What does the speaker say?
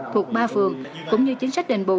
thuộc ba phường cũng như chính sách đền bù